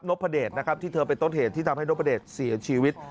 พเดชนะครับที่เธอเป็นต้นเหตุที่ทำให้นพเดชเสียชีวิต